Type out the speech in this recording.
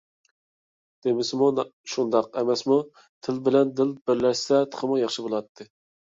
دېمىسىمۇ شۇنداق ئەمەسمۇ، تىل بىلەن دىل بىرلەشسە تېخىمۇ ياخشى بولاتتى.